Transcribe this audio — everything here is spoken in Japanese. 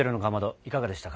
いかがでしたか。